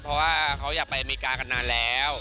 เพราะว่าเขาอยากไปอเมริกากันนานแล้ว